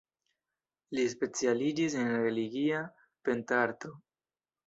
Li specialiĝis en religia pentrarto.